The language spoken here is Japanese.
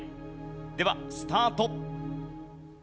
ではスタート。